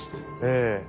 ええ。